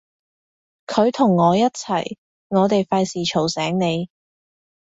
佢同我一齊，我哋費事嘈醒你